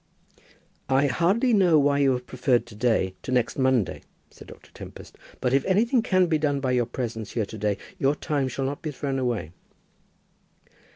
"I hardly know why you have preferred to day to next Monday," said Dr. Tempest; "but if anything can be done by your presence here to day, your time shall not be thrown away."